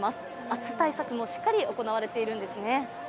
暑さ対策もしっかり行われているんですね。